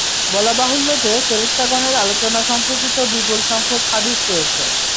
বলা বাহুল্য যে, ফেরেশতাগণের আলোচনা সম্পর্কিত বিপুল সংখ্যক হাদীস রয়েছে।